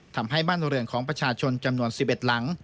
ทำให้บ้านเรือนของประชาชนจำนวน๑๑หลัง